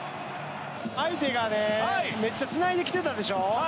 相手がめっちゃつないできてたでしょ。